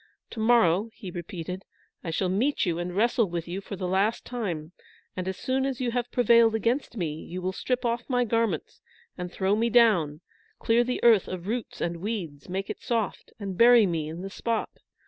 To morrow," he repeated, "I shall meet you and wrestle with you for the last time; and, as soon as you have prevailed against me, you will strip off my garments and throw me down, clean the earth of roots and weeds, make it soft, and bury me in the spot.